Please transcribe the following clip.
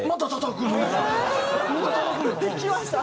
きました。